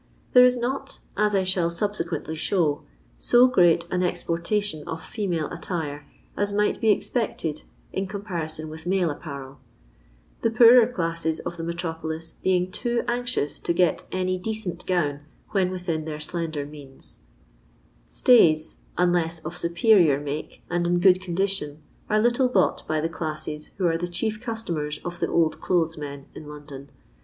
There is not, as I shall subsequently show, so gisat an exportation of female attire as might be expected in comparison with male apparel ; the poorer classes of the metropolis being too anxious to get any decent gown when within their slender Slayt, unless of superior make and in good eondition, are little bought by the classes who are the chief customers of the old clothes* men in London.